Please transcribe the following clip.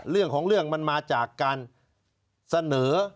เรื่องของเรื่องมันมาจากการเสนอ